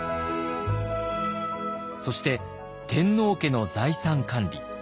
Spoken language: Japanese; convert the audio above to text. そして天皇家の財産管理。